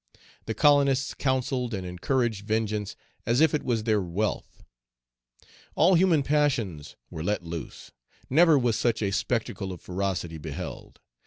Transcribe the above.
The colonists counselled and encouraged vengeance as if it was their wealth. All human passions were let loose. Never was such a spectacle of ferocity beheld.